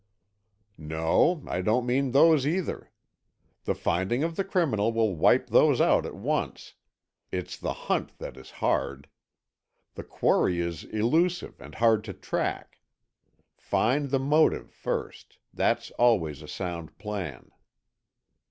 "No, I don't mean those, either. The finding of the criminal will wipe those out at once. It's the hunt that is hard. The quarry is elusive and hard to track. Find the motive first; that's always a sound plan."